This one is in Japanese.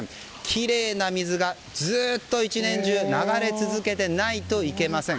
きれいな水がずっと１年中流れ続けていないといけません。